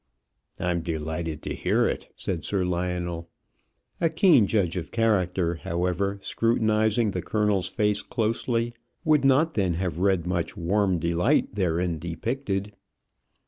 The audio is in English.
"I'm delighted to hear it," said Sir Lionel. A keen judge of character, however, scrutinizing the colonel's face closely, would not then have read much warm delight therein depicted.